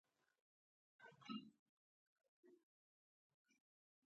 کله چې افغانستان کې ولسواکي وي عدالت پلی کیږي.